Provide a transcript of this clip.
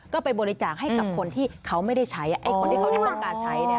ก็ไปบริจาคให้กับคนที่เขาไม่ได้ใช้ไอ้คนที่เขาต้องการใช้